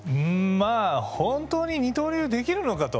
まあ本当に二刀流できるのかと。